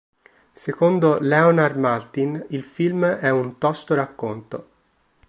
Secondo Leonard Maltin il film è un "tosto racconto".